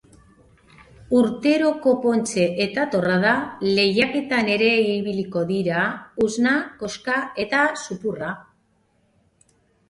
Urteroko pontxe eta torrada lehiaketan ere ibiliko dira usna, koxka eta zurrupa.